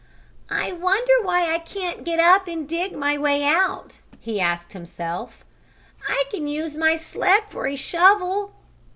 "I wonder why I can't get up and dig my way out?" he asked himself. "I can use my sled for a shovel."